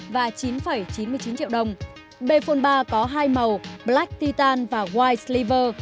bphone ba có hai màu black titan và white sliver